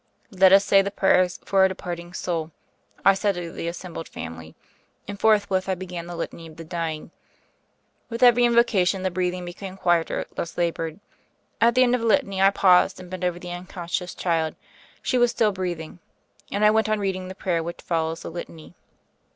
"Let us say the prayers for a departing soul," I said to the assembled family, and forthwith I began the Litany for the Dying. With every invocation the breathing became quieter, less la bored. At the end of the litany I paused and bent over the unconscious child; she was still breathing; and I went on reading the prayer which follows the litany.